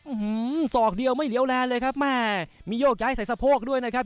อืมศอกเดียวไม่เหลียวแรงเลยครับแม่มีโยกย้ายใส่สะโพกด้วยนะครับ